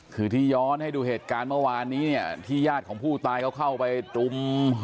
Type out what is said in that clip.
คือที่ย้อนให้ดูเหตุการณ์เมื่อวานนี้เนี่ยที่ญาติของผู้ตายเขาเข้าไปรุม